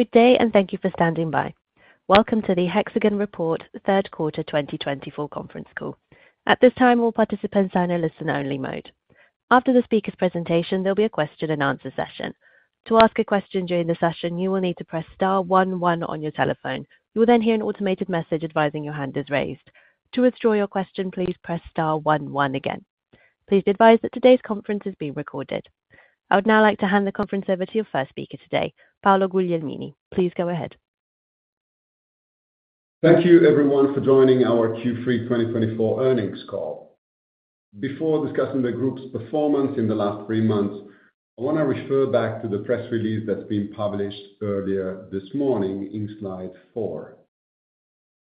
Good day, and thank you for standing by. Welcome to the Hexagon Report, third quarter 2024 conference call. At this time, all participants are in a listen only mode. After the speaker's presentation, there'll be a question and answer session. To ask a question during the session, you will need to press star one one on your telephone. You will then hear an automated message advising your hand is raised. To withdraw your question, please press star one one again. Please be advised that today's conference is being recorded. I would now like to hand the conference over to your first speaker today, Paolo Guglielmini. Please go ahead. Thank you everyone for joining our Q3 2024 earnings call. Before discussing the group's performance in the last three months, I wanna refer back to the press release that's been published earlier this morning in slide four.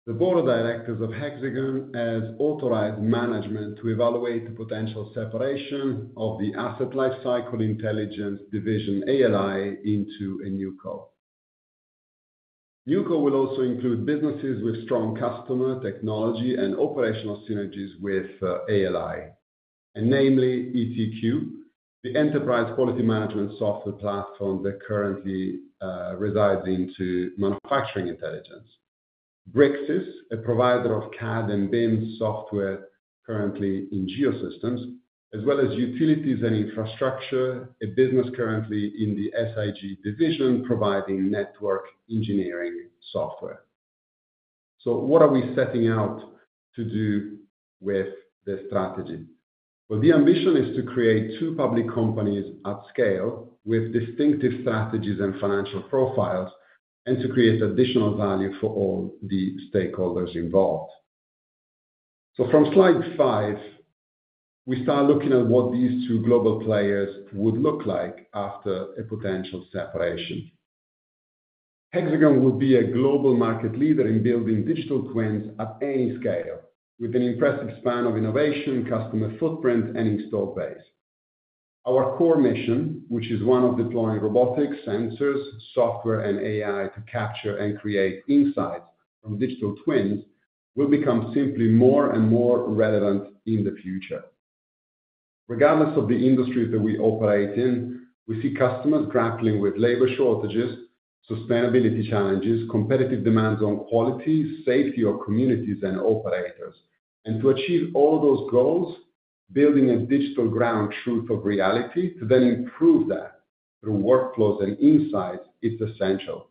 The board of directors of Hexagon has authorized management to evaluate the potential separation of the Asset Lifecycle Intelligence Division, ALI, into a NewCo. NewCo will also include businesses with strong customer, technology and operational synergies with ALI, and namely ETQ, the enterprise quality management software platform that currently resides into Manufacturing Intelligence. Bricsys, a provider of CAD and BIM software currently in Geosystems, as well as Utilities & Infrastructure, a business currently in the SIG division, providing network engineering software. So what are we setting out to do with this strategy? The ambition is to create two public companies at scale with distinctive strategies and financial profiles, and to create additional value for all the stakeholders involved. From slide five, we start looking at what these two global players would look like after a potential separation. Hexagon would be a global market leader in building digital twins at any scale, with an impressive span of innovation, customer footprint, and install base. Our core mission, which is one of deploying robotics, sensors, software, and AI to capture and create insights from digital twins, will become simply more and more relevant in the future. Regardless of the industries that we operate in, we see customers grappling with labor shortages, sustainability challenges, competitive demands on quality, safety of communities and operators. To achieve all those goals, building a digital ground truth of reality to then improve that through workflows and insights is essential.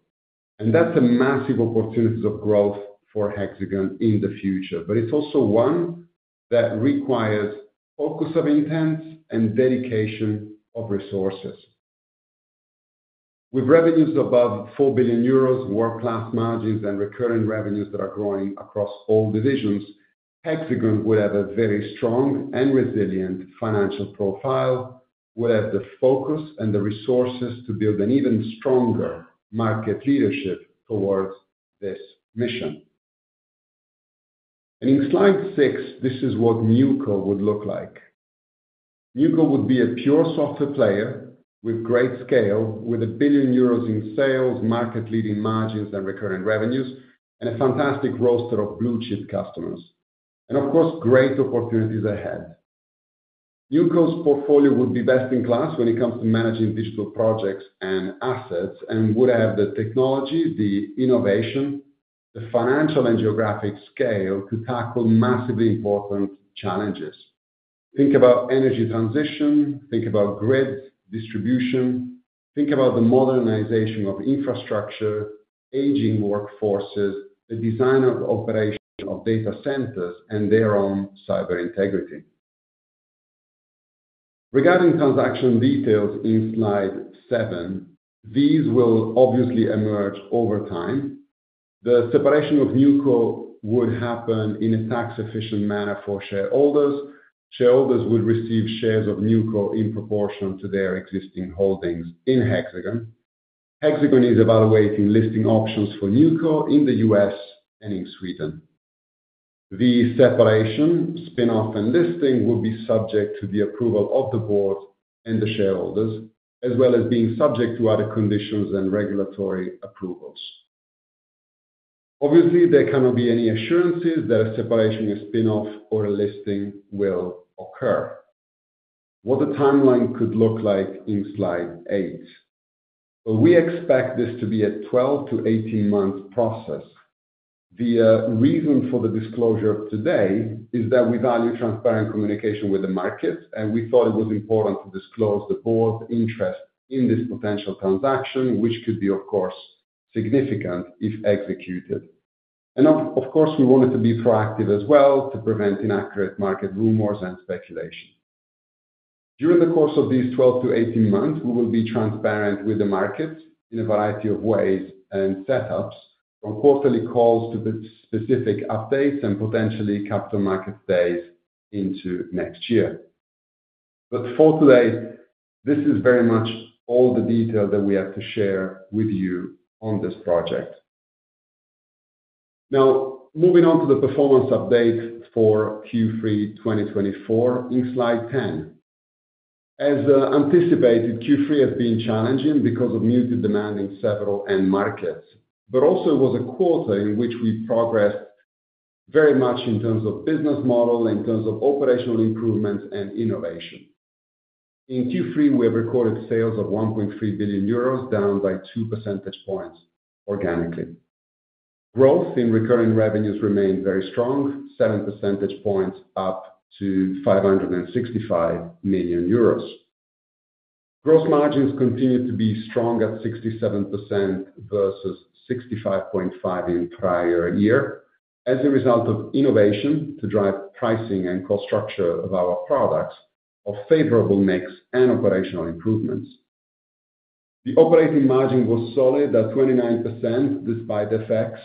That's a massive opportunity for growth for Hexagon in the future. But it's also one that requires focus of intent and dedication of resources. With revenues above 4 billion euros, world-class margins and recurring revenues that are growing across all divisions, Hexagon will have a very strong and resilient financial profile, will have the focus and the resources to build an even stronger market leadership towards this mission. In slide six, this is what NewCo would look like. NewCo would be a pure software player with great scale, with 1 billion euros in sales, market-leading margins and recurring revenues, and a fantastic roster of blue-chip customers, and of course, great opportunities ahead. NewCo's portfolio would be best in class when it comes to managing digital projects and assets, and would have the technology, the innovation, the financial and geographic scale to tackle massively important challenges. Think about energy transition, think about grid distribution, think about the modernization of infrastructure, aging workforces, the design of the operation of data centers, and their own cyber integrity. Regarding transaction details in Slide seven, these will obviously emerge over time. The separation of NewCo would happen in a tax-efficient manner for shareholders. Shareholders would receive shares of NewCo in proportion to their existing holdings in Hexagon. Hexagon is evaluating listing options for NewCo in the U.S. and in Sweden. The separation, spin-off, and listing will be subject to the approval of the board and the shareholders, as well as being subject to other conditions and regulatory approvals. Obviously, there cannot be any assurances that a separation, a spin-off or a listing will occur. What the timeline could look like in slide eight. Well, we expect this to be a 12- to 18-month process. The reason for the disclosure today is that we value transparent communication with the markets, and we thought it was important to disclose the board's interest in this potential transaction, which could be, of course, significant if executed. And of course, we wanted to be proactive as well to prevent inaccurate market rumors and speculation. During the course of these 12- to 18 months, we will be transparent with the market in a variety of ways and setups, from quarterly calls to specific updates and potentially capital market days into next year. But for today, this is very much all the detail that we have to share with you on this project. Now, moving on to the performance update for Q3 2024 in slide 10. As anticipated, Q3 has been challenging because of muted demand in several end markets, but also it was a quarter in which we progressed very much in terms of business model, in terms of operational improvements and innovation. In Q3, we have recorded sales of 1.3 billion euros, down by 2 percentage points organically. Growth in recurring revenues remained very strong, 7 percentage points up to 565 million euros. Gross margins continued to be strong at 67% versus 65.5% in prior year, as a result of innovation to drive pricing and cost structure of our products, of favorable mix and operational improvements. The operating margin was solid at 29%, despite the effects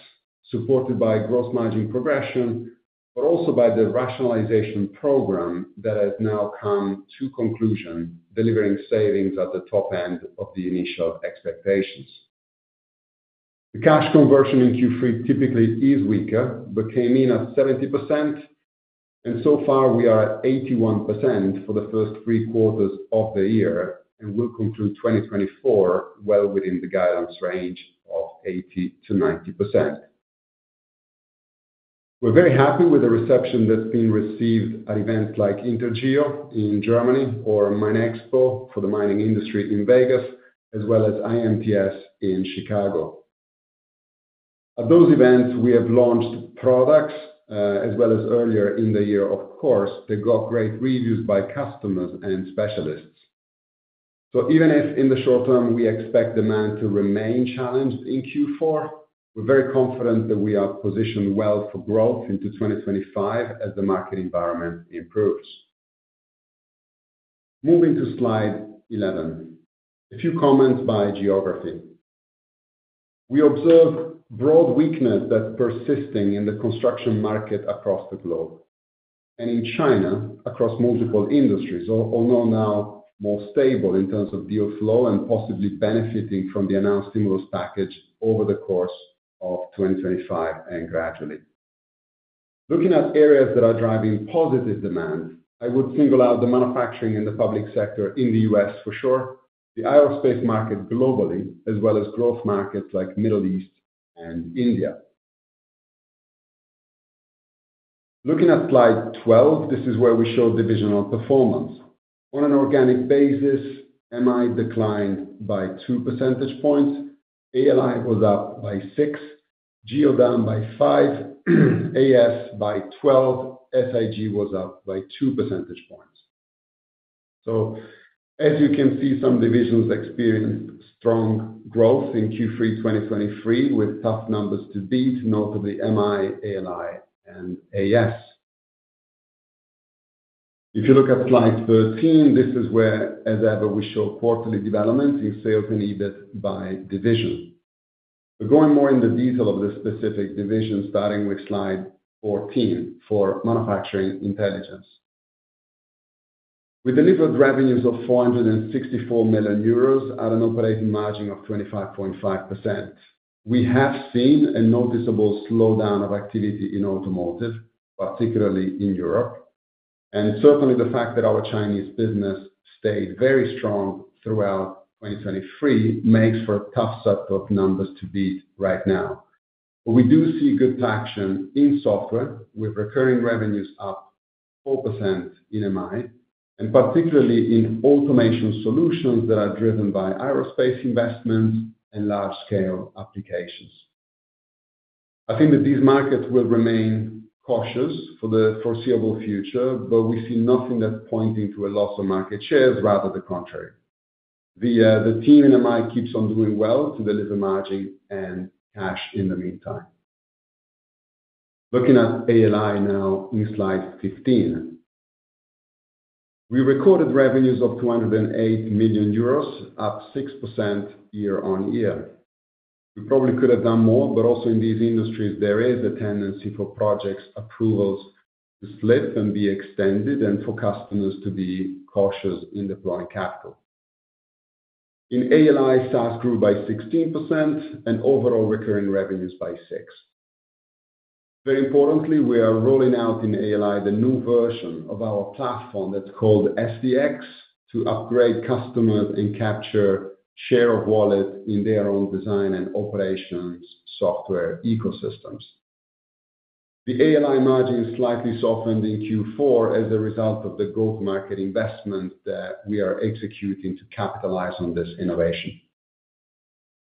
supported by gross margin progression, but also by the rationalization program that has now come to conclusion, delivering savings at the top end of the initial expectations. The cash conversion in Q3 typically is weaker, but came in at 70%, and so far we are at 81% for the first three quarters of the year, and will conclude 2024 well within the guidance range of 80%-90%. We're very happy with the reception that's been received at events like Intergeo in Germany or MINExpo for the mining industry in Vegas, as well as IMTS in Chicago. At those events, we have launched products, as well as earlier in the year, of course, that got great reviews by customers and specialists. So even if in the short term we expect demand to remain challenged in Q4, we're very confident that we are positioned well for growth into 2025 as the market environment improves. Moving to slide eleven. A few comments by geography. We observe broad weakness that's persisting in the construction market across the globe and in China, across multiple industries, although now more stable in terms of deal flow and possibly benefiting from the announced stimulus package over the course of 2025 and gradually. Looking at areas that are driving positive demand, I would single out the manufacturing in the public sector in the U.S. for sure, the aerospace market globally, as well as growth markets like Middle East and India. Looking at slide twelve, this is where we show divisional performance. On an organic basis, MI declined by two percentage points, ALI was up by six, Geo down by five, AS by twelve, SIG was up by two percentage points. So as you can see, some divisions experienced strong growth in Q3 2023 with tough numbers to beat, notably MI, ALI and AS. If you look at slide 13, this is where, as ever, we show quarterly developments in sales and EBITDA by division. But going more in the detail of the specific division, starting with slide 14 for Manufacturing Intelligence. We delivered revenues of 464 million euros at an operating margin of 25.5%. We have seen a noticeable slowdown of activity in automotive, particularly in Europe, and certainly the fact that our Chinese business stayed very strong throughout 2023 makes for a tough set of numbers to beat right now. But we do see good traction in software, with recurring revenues up 4% in MI, and particularly in automation solutions that are driven by aerospace investments and large-scale applications. I think that these markets will remain cautious for the foreseeable future, but we see nothing that's pointing to a loss of market shares, rather the contrary. The team in MI keeps on doing well to deliver margin and cash in the meantime. Looking at ALI now in slide 15. We recorded revenues of 208 million euros, up 6% year-on-year. We probably could have done more, but also in these industries, there is a tendency for projects approvals to slip and be extended, and for customers to be cautious in deploying capital. In ALI, SaaS grew by 16% and overall recurring revenues by 6%. Very importantly, we are rolling out in ALI the new version of our platform that's called SDx, to upgrade customers and capture share of wallet in their own design and operations software ecosystems. The ALI margin is slightly softened in Q4 as a result of the growth market investment that we are executing to capitalize on this innovation.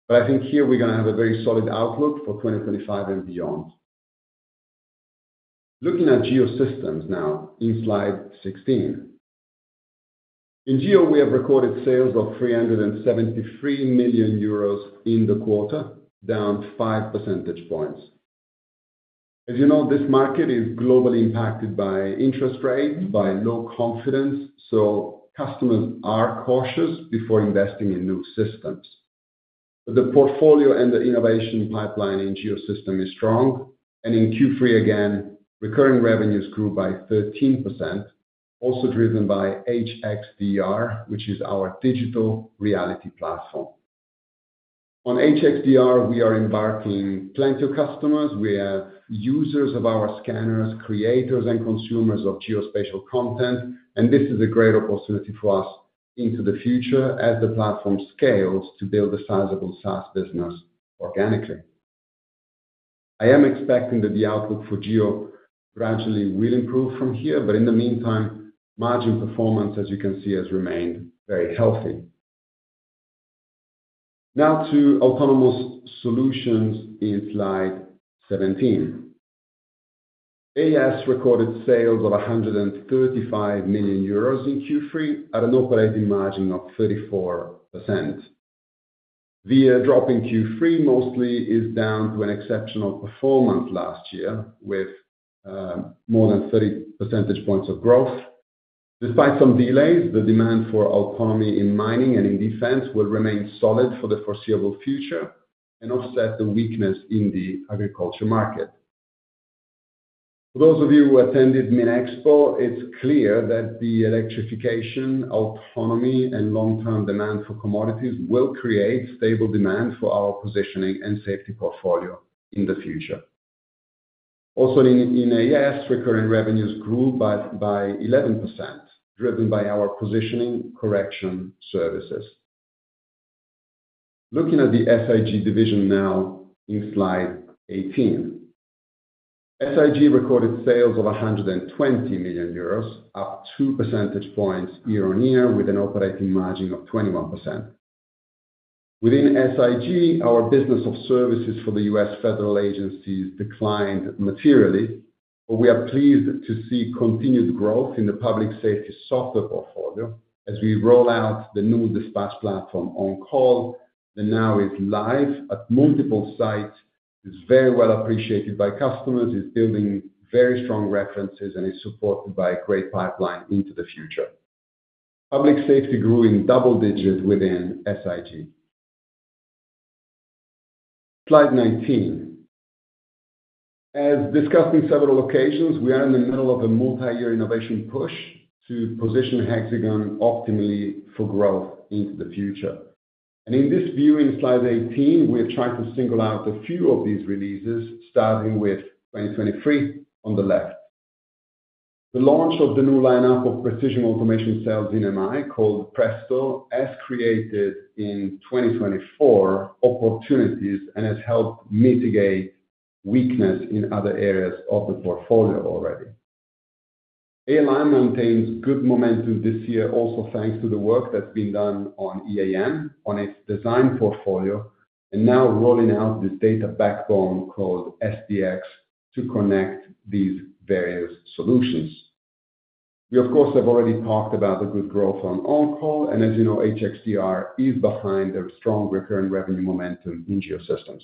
But I think here we're gonna have a very solid outlook for 2025 and beyond. Looking at Geosystems now in slide 16. In Geo, we have recorded sales of 373 million euros in the quarter, down 5 percentage points. As you know, this market is globally impacted by interest rates, by low confidence, so customers are cautious before investing in new systems. The portfolio and the innovation pipeline in Geosystems is strong, and in Q3, again, recurring revenues grew by 13%, also driven by HxDR, which is our digital reality platform. On HxDR, we are onboarding plenty of customers. We have users of our scanners, creators and consumers of geospatial content, and this is a great opportunity for us into the future as the platform scales to build a sizable SaaS business organically. I am expecting that the outlook for Geo gradually will improve from here, but in the meantime, margin performance, as you can see, has remained very healthy. Now to Autonomous Solutions in slide 17. AS recorded sales of 135 million euros in Q3 at an operating margin of 34%. The drop in Q3 mostly is down to an exceptional performance last year, with more than 30 percentage points of growth. Despite some delays, the demand for autonomy in mining and in defense will remain solid for the foreseeable future and offset the weakness in the agriculture market. For those of you who attended MINExpo, it's clear that the electrification, autonomy, and long-term demand for commodities will create stable demand for our positioning and safety portfolio in the future. Also in AS, recurring revenues grew by 11%, driven by our positioning correction services. Looking at the SIG division now in slide 18. SIG recorded sales of 120 million euros, up two percentage points year-on-year, with an operating margin of 21%. Within SIG, our business of services for the U.S. federal agencies declined materially, but we are pleased to see continued growth in the Public Safety software portfolio as we roll out the new dispatch platform OnCall that now is live at multiple sites. It's very well appreciated by customers, it's building very strong references, and is supported by a great pipeline into the future. Public Safety grew in double digits within SIG. Slide 19. As discussed in several occasions, we are in the middle of a multi-year innovation push to position Hexagon optimally for growth into the future, and in this view, in slide 18, we have tried to single out a few of these releases, starting with 2023 on the left. The launch of the new lineup of precision automation cells in MI, called PRESTO, has created in 2024 opportunities and has helped mitigate weakness in other areas of the portfolio already. ALI maintains good momentum this year, also thanks to the work that's been done on EAM, on its design portfolio, and now rolling out this data backbone called SDx to connect these various solutions. We of course have already talked about the good growth on OnCall, and as you know, HxDR is behind the strong recurring revenue momentum in Geosystems.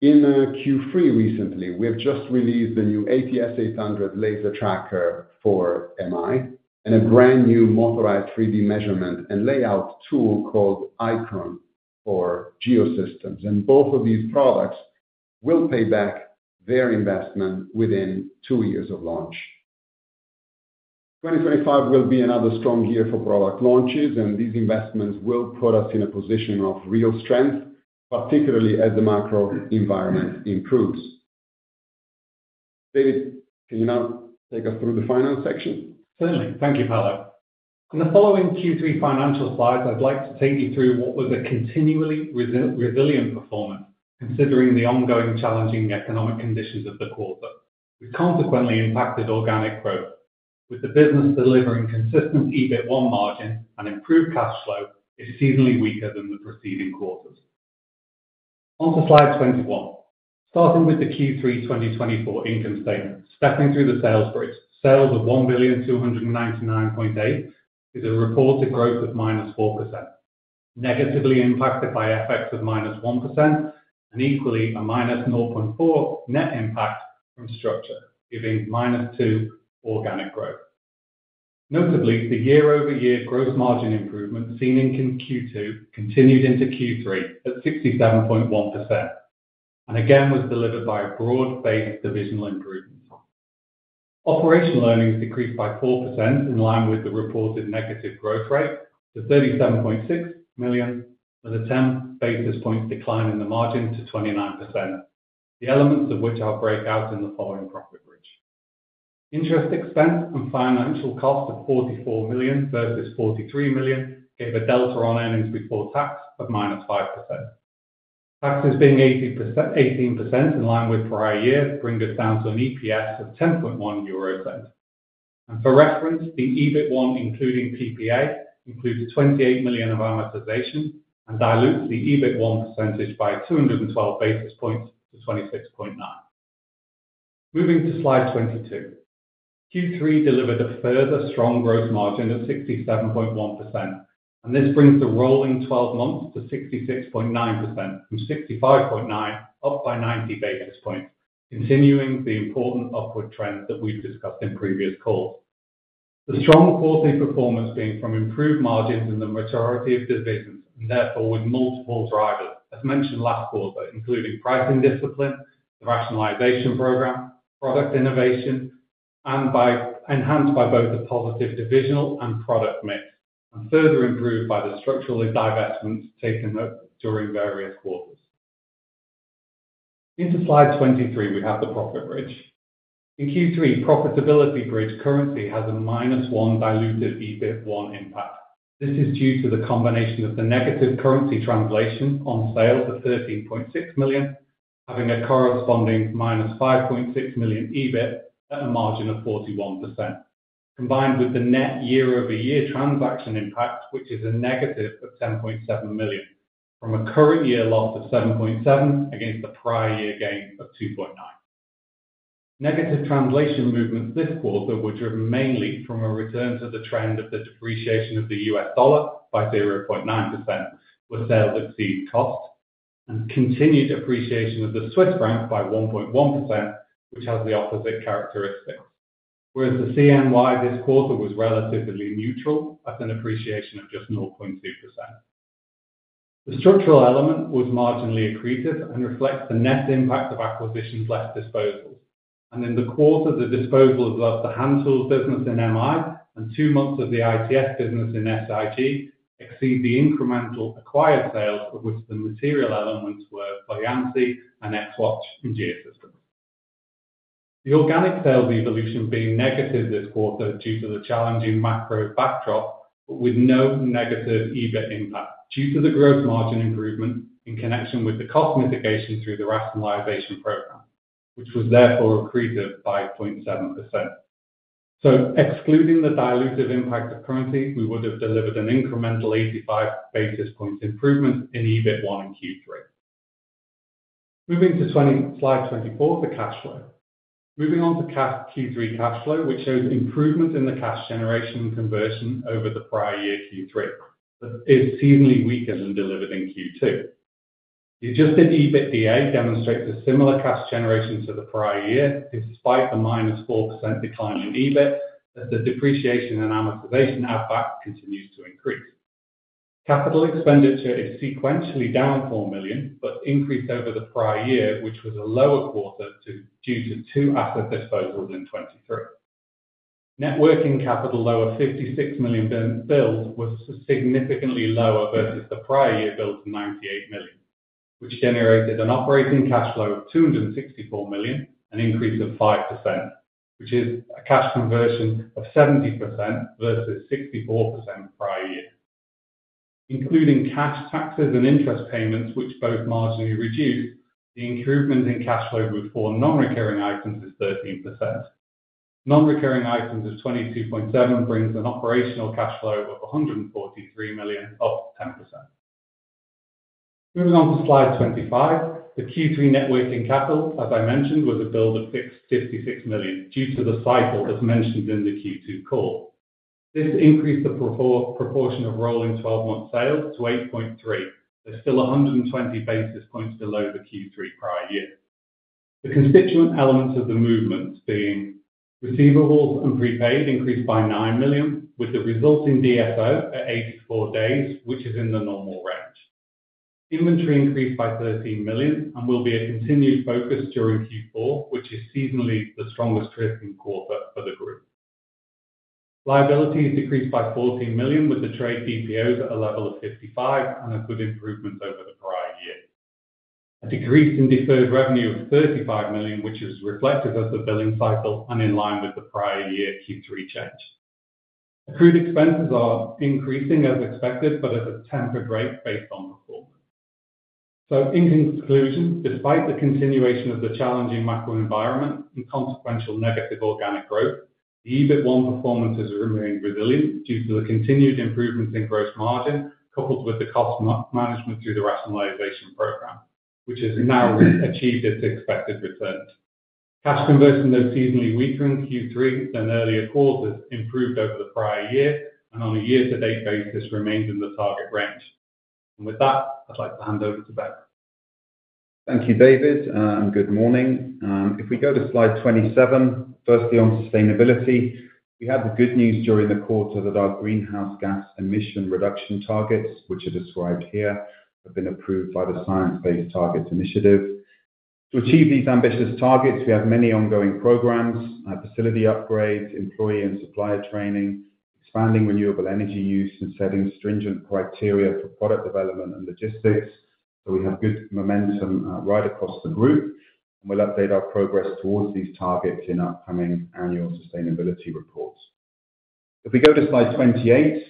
In Q3 recently, we have just released the new ATS800 laser tracker for MI and a brand new motorized 3D measurement and layout tool called iCON for Geosystems, and both of these products will pay back their investment within two years of launch. 2025 will be another strong year for product launches, and these investments will put us in a position of real strength, particularly as the macro environment improves. David, can you now take us through the final section? Certainly. Thank you, Paolo. In the following Q3 financial slides, I'd like to take you through what was a continually resilient performance, considering the ongoing challenging economic conditions of the quarter. We consequently impacted organic growth, with the business delivering consistent EBIT margin and improved cash flow is seasonally weaker than the preceding quarters. On to slide 21. Starting with the Q3 2024 income statement. Stepping through the sales bridge. Sales of 1,299.8 million is a reported growth of -4%, negatively impacted by FX of -1% and equally a -0.4 net impact from structure, giving -2% organic growth. Notably, the year-over-year gross margin improvement seen in Q2 continued into Q3 at 67.1%, and again was delivered by a broad-based divisional improvement. Operational earnings decreased by 4% in line with the reported negative growth rate to 37.6 million, with a 10 basis points decline in the margin to 29%. The elements of which I'll break out in the following profit bridge. Interest expense and financial cost of 44 million versus 43 million gave a delta on earnings before tax of -5%. Taxes being 18% in line with for our year bring us down to an EPS of 10.1 euro cents. For reference, the EBITA, including PPA, includes 28 million of amortization and dilutes the EBITA percentage by 212 basis points to 26.9%. Moving to slide 22. Q3 delivered a further strong gross margin of 67.1%, and this brings the rolling 12 months to 66.9% from 65.9%, up by 90 basis points, continuing the important upward trends that we've discussed in previous calls. The strong quarterly performance being from improved margins in the majority of divisions, and therefore with multiple drivers, as mentioned last quarter, including pricing discipline, the rationalization program, product innovation, and enhanced by both the positive divisional and product mix, and further improved by the structural divestments taken up during various quarters. Into slide 23, we have the profit bridge. In Q3, profitability bridge currency has a -1% diluted EBITA impact. This is due to the combination of the negative currency translation on sales of 13.6 million, having a corresponding -5.6 million EBIT at a margin of 41%, combined with the net year-over-year transaction impact, which is a negative of 10.7 million, from a current year loss of 7.7 against the prior year gain of 2.9. Negative translation movements this quarter were driven mainly from a return to the trend of the depreciation of the U.S. dollar by 0.9%, where sales exceed cost and continued depreciation of the Swiss franc by 1.1%, which has the opposite characteristics. Whereas the CNY this quarter was relatively neutral, at an appreciation of just 0.2%. The structural element was marginally accretive and reflects the net impact of acquisitions less disposals, and in the quarter, the disposal of the hand tools business in MI and two months of the ITS business in SIG exceed the incremental acquired sales, of which the material elements were by Voyansi and Xwatch in Geosystems. The organic sales evolution being negative this quarter due to the challenging macro backdrop, but with no negative EBIT impact due to the gross margin improvement in connection with the cost mitigation through the rationalization program, which was therefore accretive by 0.7%. So excluding the dilutive impact of currency, we would have delivered an incremental eighty-five basis points improvement in EBITA in Q3. Moving to slide 24, the cash flow. Moving on to Q3 cash flow, which shows improvement in the cash generation conversion over the prior year, Q3, but is seasonally weaker than delivered in Q2. The adjusted EBITDA demonstrates a similar cash generation to the prior year, despite the minus 4% decline in EBIT, as the depreciation and amortization add-back continues to increase. Capital expenditure is sequentially down 4 million, but increased over the prior year, which was a lower quarter due to two asset disposals in 2023. Net working capital, lower 56 million build, was significantly lower versus the prior year build of 98 million, which generated an operating cash flow of 264 million, an increase of 5%, which is a cash conversion of 70% versus 64% prior year. Including cash, taxes, and interest payments, which both marginally reduced, the improvement in cash flow before non-recurring items is 13%. Non-recurring items of 22.7 brings an operational cash flow of 143 million, up 10%. Moving on to slide 25. The Q3 net working capital, as I mentioned, was a build of 56 million due to the cycle, as mentioned in the Q2 call. This increased the proportion of rolling twelve month sales to 8.3%, but still 120 basis points below the Q3 prior year. The constituent elements of the movement being receivables and prepaid increased by 9 million, with the resulting DSO at 84 days, which is in the normal range. Inventory increased by 13 million and will be a continued focus during Q4, which is seasonally the strongest trading quarter for the group. Liabilities decreased by 14 million, with the trade DPOs at a level of 55 and a good improvement over the prior year. A decrease in deferred revenue of 35 million, which is reflective of the billing cycle and in line with the prior year Q3 change. Accrued expenses are increasing as expected, but at a tempered rate based on performance. In conclusion, despite the continuation of the challenging macro environment and consequential negative organic growth, the EBITDA performance has remained resilient due to the continued improvements in gross margin, coupled with the cost management through the rationalization program, which has now achieved its expected returns. Cash conversion, though seasonally weaker in Q3 than earlier quarters, improved over the prior year and on a year to date basis remains in the target range. With that, I'd like to hand over to Ben. Thank you, David, and good morning. If we go to slide 27, firstly on sustainability, we have the good news during the quarter that our greenhouse gas emission reduction targets, which are described here, have been approved by the Science Based Targets Initiative. To achieve these ambitious targets, we have many ongoing programs, facility upgrades, employee and supplier training, expanding renewable energy use, and setting stringent criteria for product development and logistics. So we have good momentum, right across the group, and we'll update our progress towards these targets in upcoming annual sustainability reports. If we go to slide 28,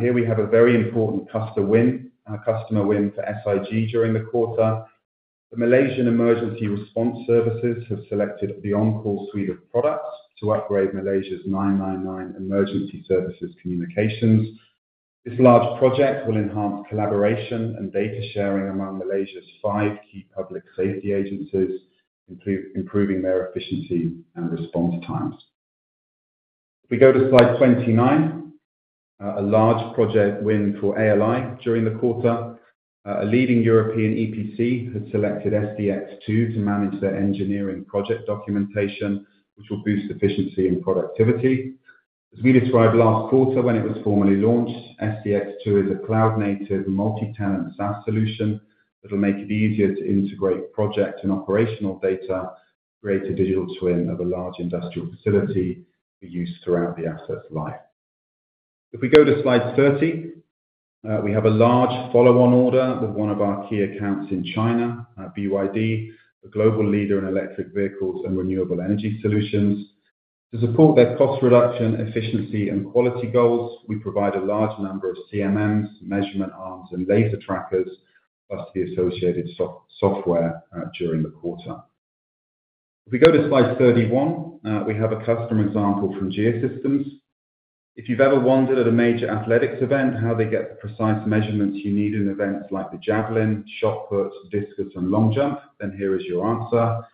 here we have a very important customer win. A customer win for SIG during the quarter. The Malaysian Emergency Response Services have selected the OnCall suite of products to upgrade Malaysia's 999 emergency services communications. This large project will enhance collaboration and data sharing among Malaysia's five key Public Safety agencies, improving their efficiency and response times. If we go to slide 29, a large project win for ALI during the quarter. A leading European EPC has selected SDx2 to manage their engineering project documentation, which will boost efficiency and productivity. As we described last quarter when it was formally launched, SDx2 is a cloud-native multi-tenant SaaS solution that will make it easier to integrate project and operational data, create a digital twin of a large industrial facility for use throughout the asset's life. If we go to slide 30, we have a large follow-on order with one of our key accounts in China, at BYD, a global leader in electric vehicles and renewable energy solutions. To support their cost reduction, efficiency, and quality goals, we provide a large number of CMMs, measurement arms, and laser trackers, plus the associated software during the quarter. If we go to slide 31, we have a customer example from Geosystems. If you've ever wondered at a major athletics event how they get the precise measurements you need in events like the javelin, shot put, discus, and long jump, then here is your answer.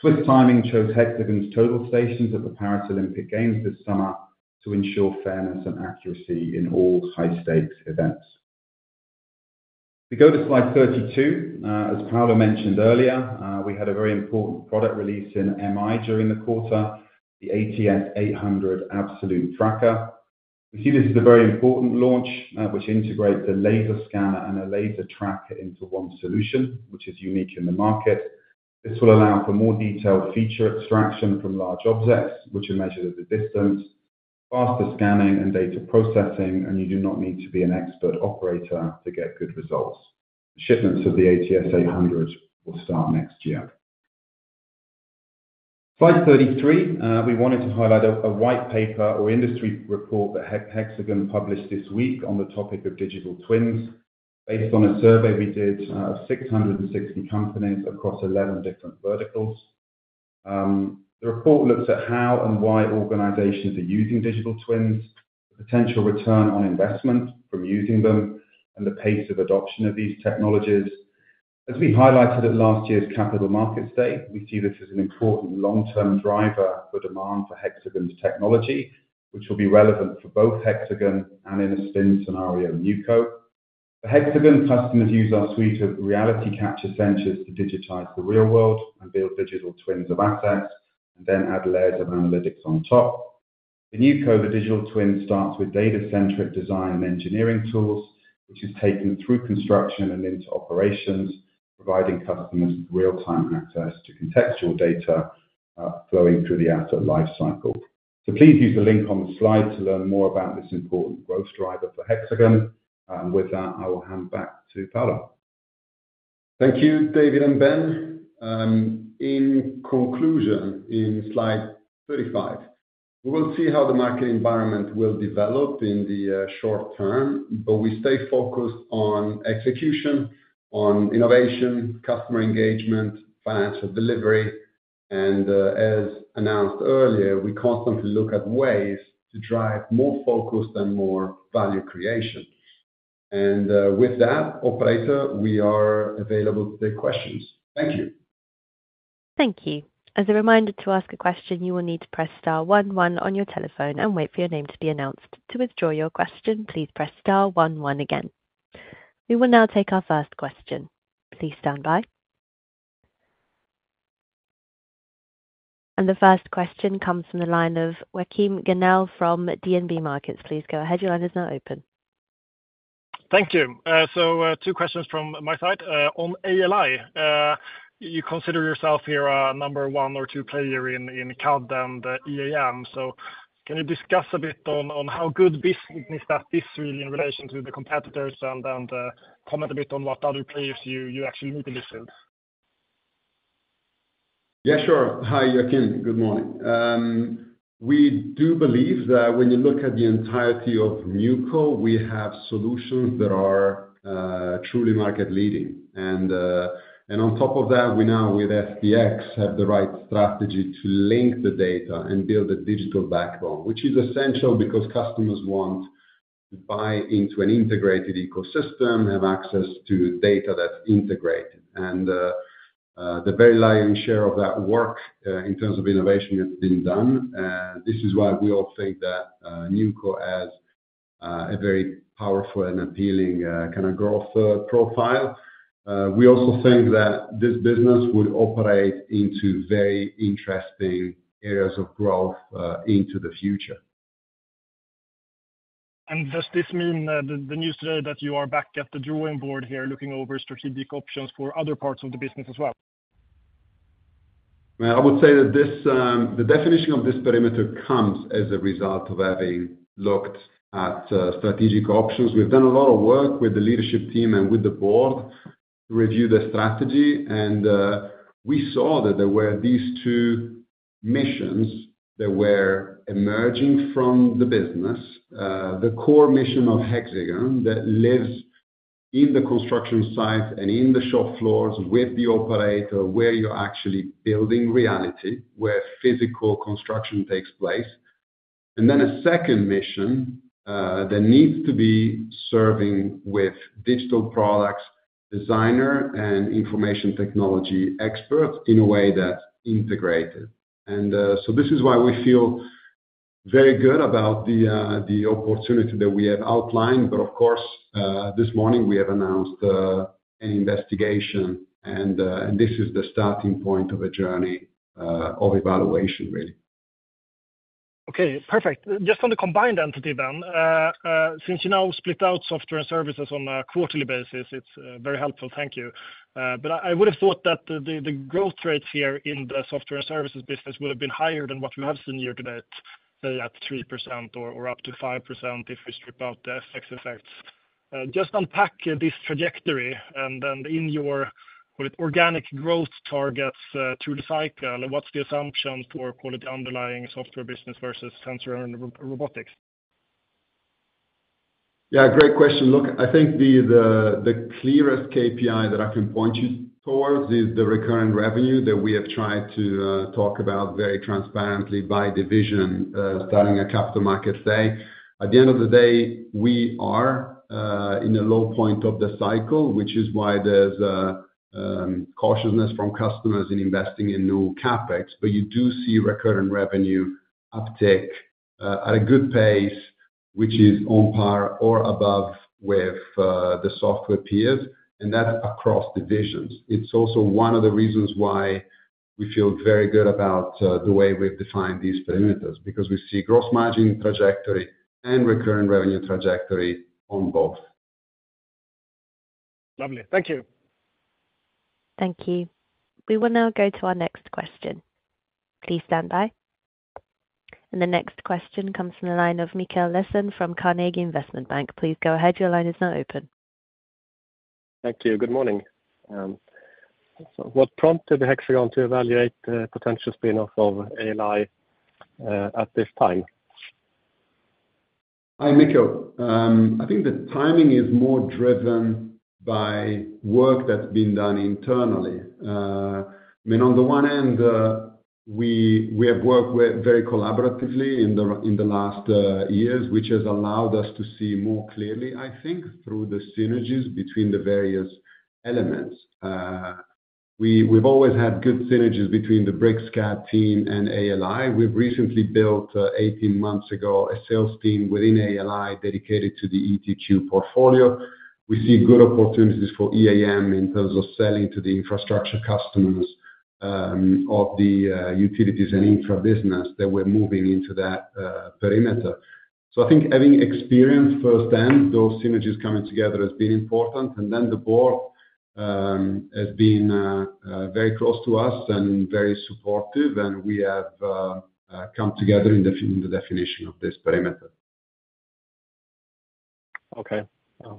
Swiss Timing chose Hexagon's total stations at the Paralympic Games this summer to ensure fairness and accuracy in all high-stakes events. If we go to slide 32, as Paolo mentioned earlier, we had a very important product release in MI during the quarter, the ATS800 Absolute Tracker. We see this as a very important launch, which integrates a laser scanner and a laser tracker into one solution, which is unique in the market. This will allow for more detailed feature extraction from large objects, which are measured at the distance, faster scanning and data processing, and you do not need to be an expert operator to get good results. Shipments of the ATS800 will start next year. Slide 33, we wanted to highlight a white paper or industry report that Hexagon published this week on the topic of digital twins. Based on a survey we did, six hundred and sixty companies across eleven different verticals. The report looks at how and why organizations are using digital twins, the potential return on investment from using them, and the pace of adoption of these technologies. As we highlighted at last year's Capital Markets Day, we see this as an important long-term driver for demand for Hexagon's technology, which will be relevant for both Hexagon and in a spin scenario, NewCo. The Hexagon customers use our suite of reality capture sensors to digitize the real world and build digital twins of assets, and then add layers of analytics on top. The NewCo, the digital twin, starts with data-centric design and engineering tools, which is taken through construction and into operations, providing customers real-time access to contextual data, flowing through the asset life cycle, so please use the link on the slide to learn more about this important growth driver for Hexagon, and with that, I will hand back to Paolo. Thank you, David and Ben. In conclusion, in slide 35, we will see how the market environment will develop in the short term, but we stay focused on execution, on innovation, customer engagement, financial delivery, and as announced earlier, we constantly look at ways to drive more focus and more value creation. With that, operator, we are available to take questions. Thank you. Thank you. As a reminder, to ask a question, you will need to press star one one on your telephone and wait for your name to be announced. To withdraw your question, please press star one one again. We will now take our first question. Please stand by. And the first question comes from the line of Joachim Gunell from DNB Markets. Please go ahead. Your line is now open. Thank you. So, two questions from my side. On ALI, you consider yourself here a number one or two player in CAD and EAM. So can you discuss a bit on how good business that is really in relation to the competitors and comment a bit on what other players you actually need to listen? Yeah, sure. Hi, Joachim. Good morning. We do believe that when you look at the entirety of NewCo, we have solutions that are truly market leading. And on top of that, we now with SDx have the right strategy to link the data and build a digital backbone, which is essential because customers want to buy into an integrated ecosystem, have access to data that's integrated. And the very lion's share of that work in terms of innovation has been done. This is why we all think that NewCo has a very powerful and appealing kind of growth profile. We also think that this business will operate into very interesting areas of growth into the future. And does this mean, the news today, that you are back at the drawing board here, looking over strategic options for other parts of the business as well? I would say that this, the definition of this perimeter comes as a result of having looked at, strategic options. We've done a lot of work with the leadership team and with the board to review the strategy, and we saw that there were these two missions that were emerging from the business. The core mission of Hexagon, that lives in the construction site and in the shop floors with the operator, where you're actually building reality, where physical construction takes place, and then a second mission, that needs to be serving with digital products, designer and information technology experts in a way that's integrated, and so this is why we feel very good about the opportunity that we have outlined. But of course, this morning we have announced an investigation, and this is the starting point of a journey of evaluation, really. Okay, perfect. Just on the combined entity then, since you now split out software and services on a quarterly basis, it's very helpful, thank you. But I would have thought that the growth rates here in the software and services business would have been higher than what we have seen year to date, say at 3% or up to 5% if we strip out the FX effects.... just unpack this trajectory, and then in your organic growth targets through the cycle, and what's the assumption for quality underlying software business versus sensor and robotics? Yeah, great question. Look, I think the clearest KPI that I can point you towards is the recurring revenue that we have tried to talk about very transparently by division, starting at Capital Market Day. At the end of the day, we are in a low point of the cycle, which is why there's a cautiousness from customers in investing in new CapEx. But you do see recurring revenue uptick at a good pace, which is on par or above with the software peers, and that's across divisions. It's also one of the reasons why we feel very good about the way we've defined these perimeters, because we see gross margin trajectory and recurring revenue trajectory on both. Lovely. Thank you. Thank you. We will now go to our next question. Please stand by, and the next question comes from the line of Mikael Laséen from Carnegie Investment Bank. Please go ahead. Your line is now open. Thank you. Good morning. So what prompted Hexagon to evaluate the potential spin-off of ALI at this time? Hi, Mikael. I think the timing is more driven by work that's been done internally. I mean, on the one hand, we have worked very collaboratively in the last years, which has allowed us to see more clearly, I think, through the synergies between the various elements. We've always had good synergies between the BricsCAD team and ALI. We've recently built, eighteen months ago, a sales team within ALI, dedicated to the ETQ portfolio. We see good opportunities for EAM in terms of selling to the infrastructure customers of the utilities and infra business that we're moving into that perimeter. So I think having experience firsthand, those synergies coming together has been important. And then the board has been very close to us and very supportive, and we have come together in the definition of this parameter. Okay,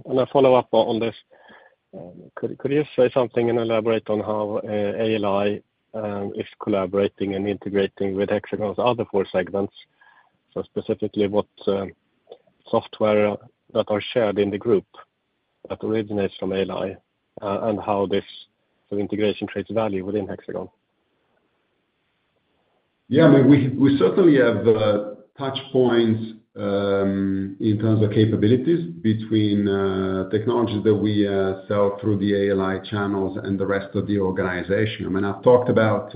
and a follow-up on this. Could you say something and elaborate on how ALI is collaborating and integrating with Hexagon's other four segments? So specifically, what software that are shared in the group that originates from ALI and how this integration creates value within Hexagon. Yeah, I mean, we certainly have touch points in terms of capabilities between technologies that we sell through the ALI channels and the rest of the organization. I mean, I've talked about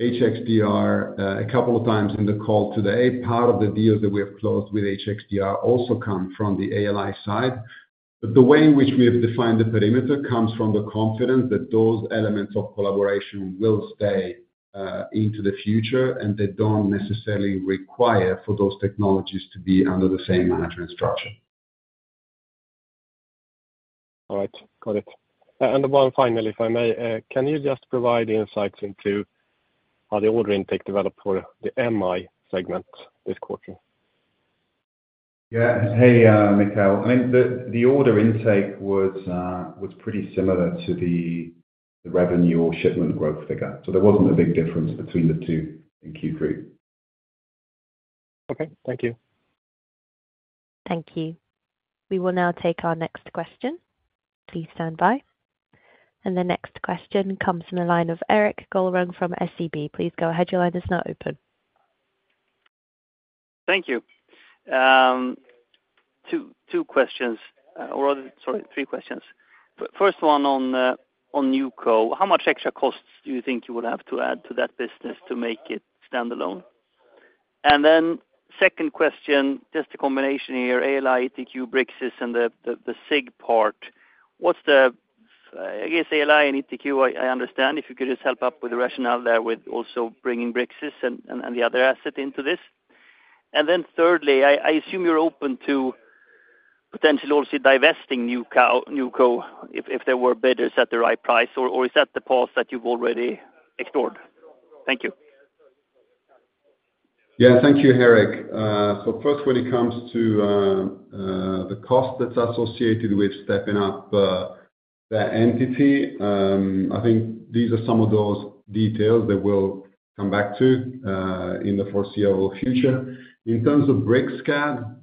HxDR a couple of times in the call today. Part of the deals that we have closed with HxDR also come from the ALI side. But the way in which we have defined the perimeter comes from the confidence that those elements of collaboration will stay into the future, and they don't necessarily require for those technologies to be under the same management structure. All right. Got it. And then one finally, if I may, can you just provide insights into how the order intake developed for the MI segment this quarter? Yeah. Hey, Mikael. I mean, the order intake was pretty similar to the revenue or shipment growth figure, so there wasn't a big difference between the two in Q3. Okay, thank you. Thank you. We will now take our next question. Please stand by. And the next question comes from the line of Erik Golrang from SEB. Please go ahead. Your line is now open. Thank you. Two questions, or rather, sorry, three questions. First one on NewCo. How much extra costs do you think you would have to add to that business to make it standalone? And then second question, just a combination here, ALI, ETQ, Bricsys, and the SIG part. What's the... I guess ALI and ETQ, I understand, if you could just help up with the rationale there with also bringing Bricsys and the other asset into this. And then thirdly, I assume you're open to potentially also divesting NewCo if there were bidders at the right price, or is that the path that you've already explored? Thank you. Yeah. Thank you, Erik. So first, when it comes to the cost that's associated with stepping up that entity, I think these are some of those details that we'll come back to in the foreseeable future. In terms of BricsCAD,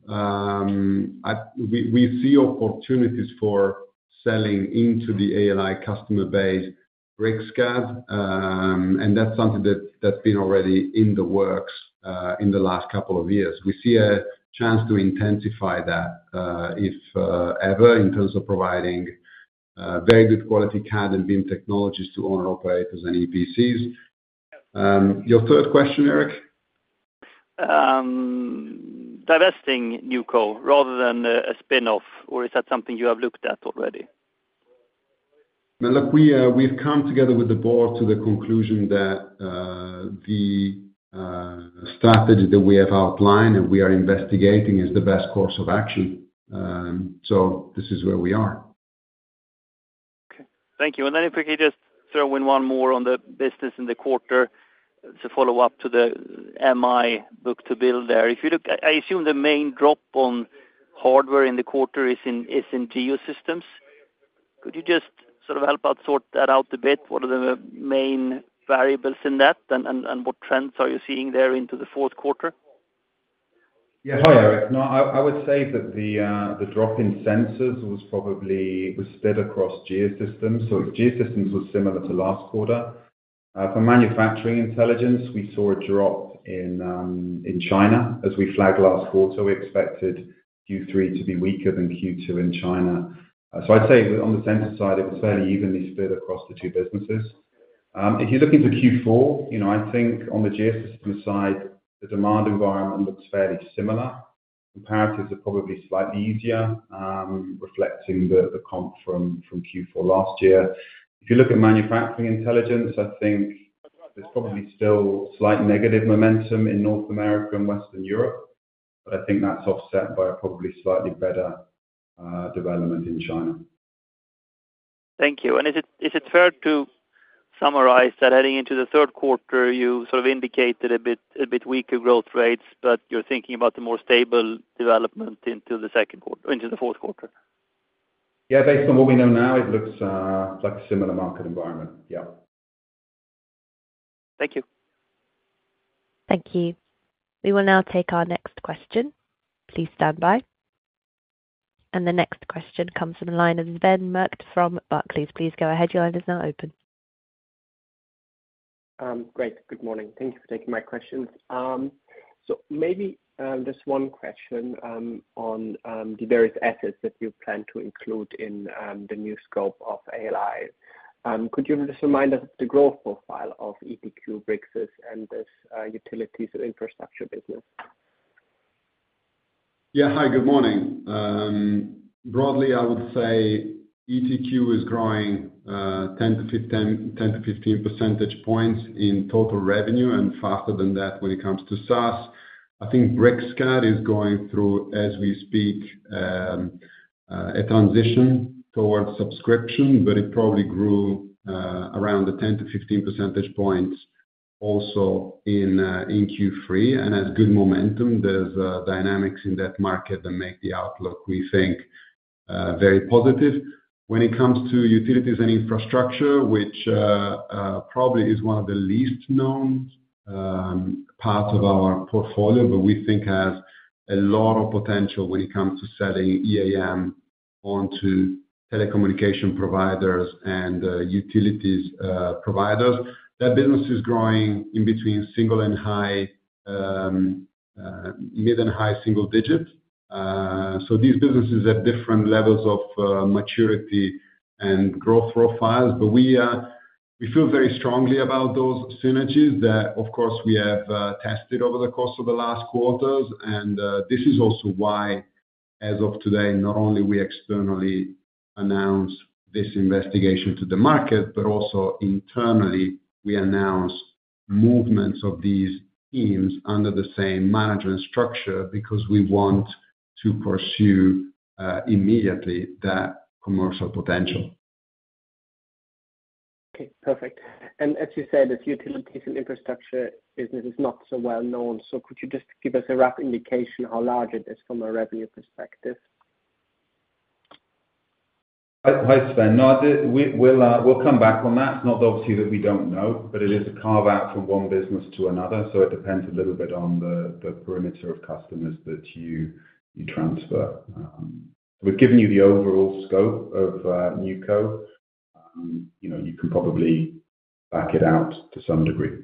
we see opportunities for selling into the ALI customer base, BricsCAD, and that's something that's been already in the works in the last couple of years. We see a chance to intensify that, if ever in terms of providing very good quality CAD and BIM technologies to owner operators, and EPCs. Your third question, Erik? Divesting NewCo rather than a spin-off, or is that something you have looked at already? Now, look, we, we've come together with the board to the conclusion that the strategy that we have outlined and we are investigating is the best course of action. So this is where we are.... Thank you. And then if we could just throw in one more on the business in the quarter to follow up to the MI book-to-bill there. If you look, I assume the main drop on hardware in the quarter is in Geosystems. Could you just sort of help out sort that out a bit? What are the main variables in that, and what trends are you seeing there into the fourth quarter? Yeah. Hi, Eric. No, I would say that the drop in sensors was probably spread across Geosystems. So Geosystems was similar to last quarter. For Manufacturing Intelligence, we saw a drop in China as we flagged last quarter. We expected Q3 to be weaker than Q2 in China. So I'd say on the sensor side, it was fairly evenly spread across the two businesses. If you're looking for Q4, you know, I think on the Geosystems side, the demand environment looks fairly similar. Comparatives are probably slightly easier, reflecting the comp from Q4 last year. If you look at Manufacturing Intelligence, I think there's probably still slight negative momentum in North America and Western Europe, but I think that's offset by a probably slightly better development in China. Thank you. And is it fair to summarize that heading into the third quarter, you sort of indicated a bit weaker growth rates, but you're thinking about the more stable development into the second quarter, into the fourth quarter? Yeah, based on what we know now, it looks like a similar market environment. Yeah. Thank you. Thank you. We will now take our next question. Please stand by, and the next question comes from the line of Sven Merkt from Barclays. Please go ahead. Your line is now open. Great. Good morning. Thank you for taking my questions. So maybe just one question on the various assets that you plan to include in the new scope of ALI. Could you just remind us the growth profile of ETQ, Bricsys, and this Utilities & Infrastructure business? Yeah. Hi, good morning. Broadly, I would say ETQ is growing ten to fifteen percentage points in total revenue and faster than that when it comes to SaaS. I think Bricsys is going through as we speak a transition towards subscription, but it probably grew around the ten to fifteen percentage points also in Q3 and has good momentum. There's dynamics in that market that make the outlook, we think, very positive. When it comes to Utilities & Infrastructure, which probably is one of the least known part of our portfolio, but we think has a lot of potential when it comes to selling EAM onto telecommunication providers and utilities providers. That business is growing in between single and high, mid and high single digits. So these businesses are at different levels of maturity and growth profiles, but we feel very strongly about those synergies that, of course, we have tested over the course of the last quarters. And this is also why, as of today, not only we externally announce this investigation to the market, but also internally, we announce movements of these teams under the same management structure, because we want to pursue immediately that commercial potential. Okay, perfect. As you said, this Utilities & Infrastructure business is not so well known, so could you just give us a rough indication how large it is from a revenue perspective? Hi, Sven. No, we'll come back on that. Not obviously that we don't know, but it is a carve-out from one business to another, so it depends a little bit on the perimeter of customers that you transfer. We've given you the overall scope of NewCo. You know, you can probably back it out to some degree.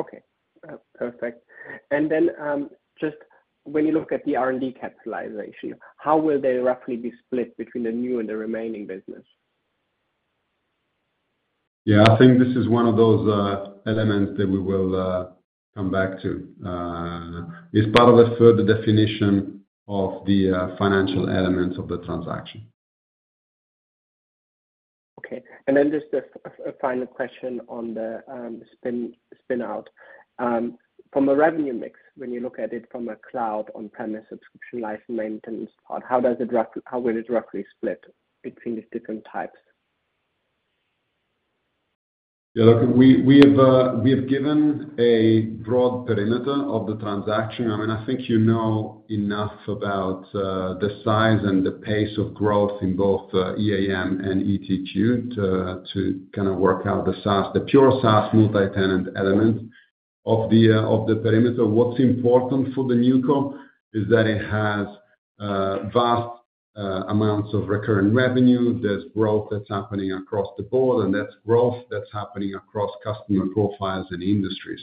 Okay. Perfect. And then, just when you look at the R&D capitalization, how will they roughly be split between the new and the remaining business? Yeah, I think this is one of those elements that we will come back to. It's part of a further definition of the financial elements of the transaction. Okay. And then just a final question on the spin out. From a revenue mix, when you look at it from a cloud, on-premise, subscription, license maintenance part, how will it directly split between the different types? Yeah, look, we have given a broad parameters of the transaction. I mean, I think you know enough about the size and the pace of growth in both EAM and ETQ to kind of work out the SaaS, the pure SaaS multi-tenant element of the parameters. What's important for the NewCo is that it has vast amounts of recurring revenue. There's growth that's happening across the board, and that's growth that's happening across customer profiles and industries,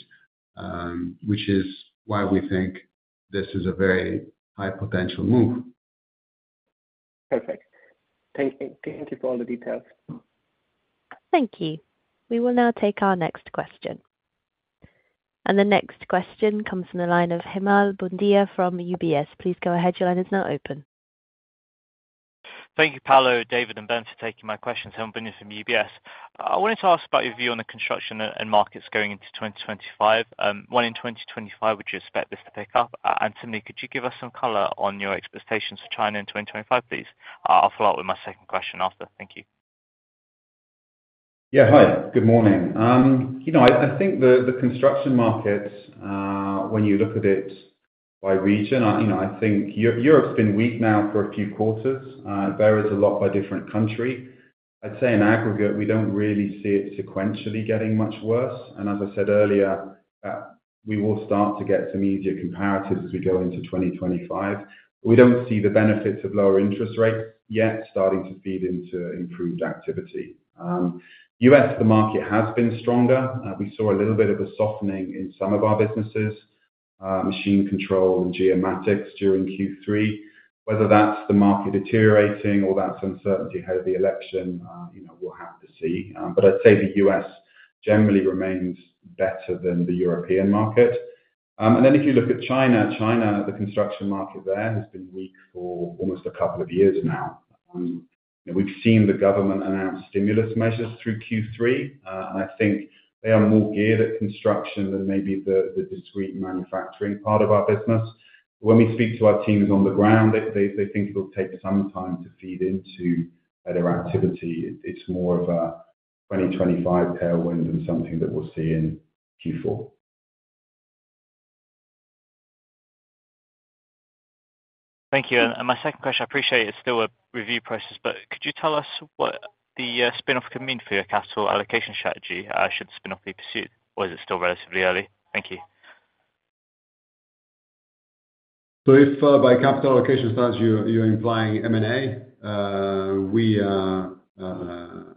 which is why we think this is a very high potential move. Perfect. Thank you. Thank you for all the details. Thank you. We will now take our next question, and the next question comes from the line of Himal Bhundia from UBS. Please go ahead. Your line is now open. Thank you, Paolo, David, and Ben, for taking my questions. Himal Bhundia from UBS. I wanted to ask about your view on the construction and markets going into 2025. When in 2025 would you expect this to pick up? And secondly, could you give us some color on your expectations for China in 2025, please? I'll follow up with my second question after. Thank you. Yeah. Hi, good morning. You know, I think the construction markets, when you look at it by region, you know, I think Europe, Europe's been weak now for a few quarters. It varies a lot by different country. I'd say in aggregate, we don't really see it sequentially getting much worse, and as I said earlier, we will start to get some easier comparatives as we go into 2025. We don't see the benefits of lower interest rates yet starting to feed into improved activity. US, the market has been stronger. We saw a little bit of a softening in some of our businesses, machine control and geomatics during Q3. Whether that's the market deteriorating or that's uncertainty ahead of the election, you know, we'll have to see. But I'd say the U.S. generally remains better than the European market. And then if you look at China, the construction market there has been weak for almost a couple of years now. And we've seen the government announce stimulus measures through Q3, and I think they are more geared at construction than maybe the discrete manufacturing part of our business. When we speak to our teams on the ground, they think it'll take some time to feed into their activity. It's more of a 2025 tailwind than something that we'll see in Q4. Thank you. And my second question, I appreciate it's still a review process, but could you tell us what the spinoff could mean for your capital allocation strategy, should the spinoff be pursued, or is it still relatively early? Thank you. So if by capital allocation strategy, you're implying M&A,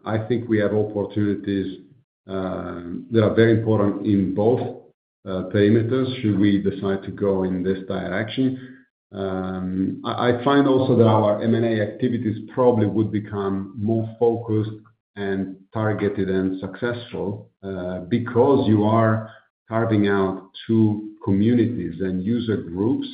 I think we have opportunities that are very important in both parameters, should we decide to go in this direction. I find also that our M&A activities probably would become more focused and targeted and successful because you are carving out two communities and user groups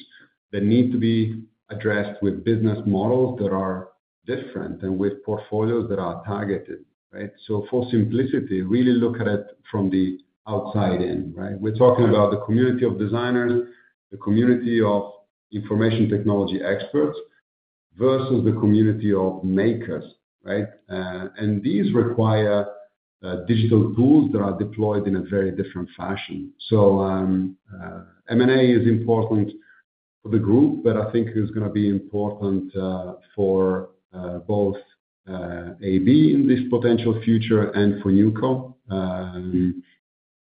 that need to be addressed with business models that are different and with portfolios that are targeted, right? So for simplicity, really look at it from the outside in, right? We're talking about the community of designers, the community of information technology experts versus the community of makers, right? And these require digital tools that are deployed in a very different fashion. M&A is important for the group, but I think it's gonna be important for both AB in this potential future and for NewCo,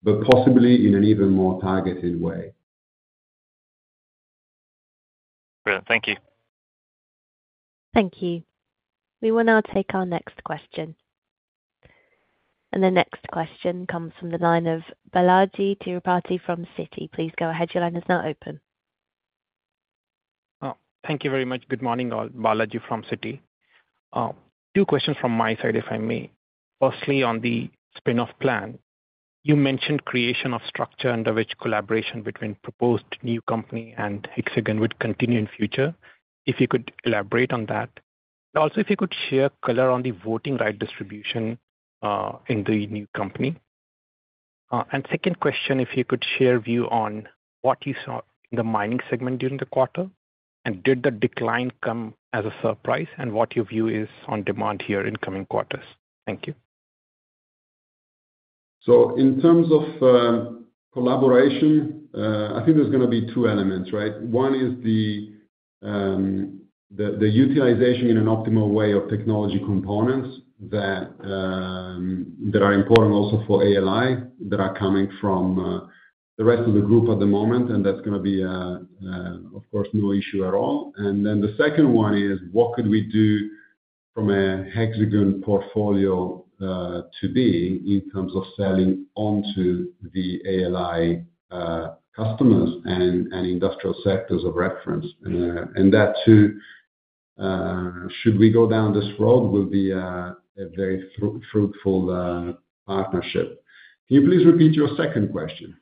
but possibly in an even more targeted way. Great. Thank you. Thank you. We will now take our next question, and the next question comes from the line of Balajee Tirupati from Citi. Please go ahead. Your line is now open. Thank you very much. Good morning, all. Balaji from Citi. Two questions from my side, if I may. Firstly, on the spinoff plan, you mentioned creation of structure under which collaboration between proposed new company and Hexagon would continue in future. If you could elaborate on that. Also, if you could share color on the voting right distribution in the new company. And second question, if you could share view on what you saw in the mining segment during the quarter, and did the decline come as a surprise, and what your view is on demand here in coming quarters? Thank you. So in terms of collaboration, I think there's gonna be two elements, right? One is the utilization in an optimal way of technology components that are important also for ALI, that are coming from the rest of the group at the moment, and that's gonna be, of course, no issue at all. And then the second one is: What could we do from a Hexagon portfolio, to be in terms of selling onto the ALI, customers and industrial sectors of reference? And that too, should we go down this road, will be a very fruitful partnership. Can you please repeat your second question?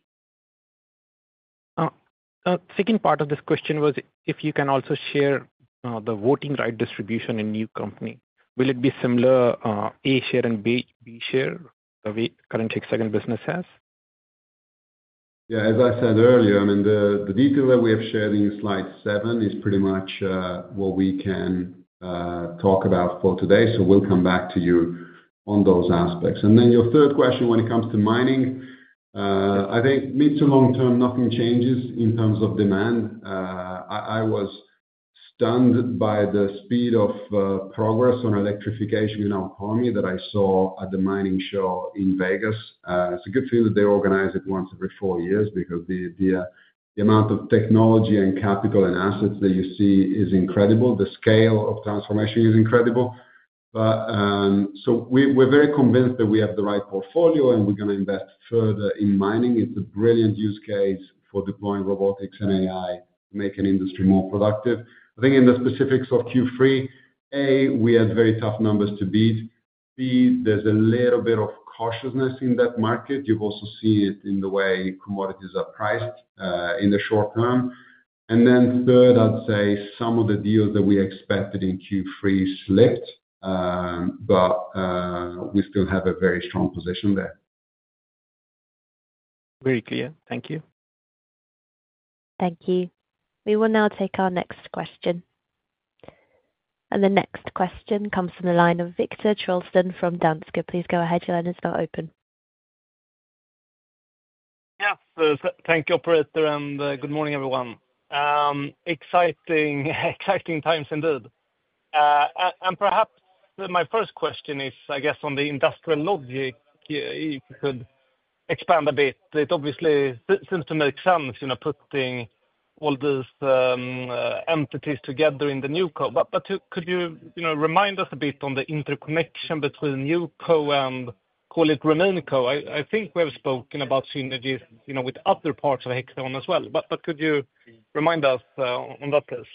Second part of this question was if you can also share the voting right distribution in new company. Will it be similar, A share and B share, the way current Hexagon business has? Yeah, as I said earlier, I mean, the detail that we have shared in slide seven is pretty much what we can talk about for today, so we'll come back to you on those aspects. And then your third question when it comes to mining, I think mid to long term, nothing changes in terms of demand. I was stunned by the speed of progress on electrification in our economy that I saw at the mining show in Vegas. It's a good thing that they organize it once every four years because the amount of technology and capital and assets that you see is incredible. The scale of transformation is incredible. But so we're very convinced that we have the right portfolio, and we're gonna invest further in mining. It's a brilliant use case for deploying robotics and AI to make an industry more productive. I think in the specifics of Q3, A, we had very tough numbers to beat. B, there's a little bit of cautiousness in that market. You've also seen it in the way commodities are priced, in the short term. And then third, I'd say some of the deals that we expected in Q3 slipped, but we still have a very strong position there. Very clear. Thank you. Thank you. We will now take our next question, and the next question comes from the line of Viktor Trollsten from Danske. Please go ahead, your line is now open. Yes, thank you, operator, and good morning, everyone. Exciting times indeed. And perhaps my first question is, I guess, on the industrial logic. You could expand a bit. It obviously seems to make sense, you know, putting all this entities together in the NewCo. But could you, you know, remind us a bit on the interconnection between NewCo and call it Remaining Co? I think we have spoken about synergies, you know, with other parts of Hexagon as well, but could you remind us on that please?